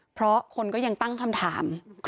เพราะคนก็ยังตั้งคำถาม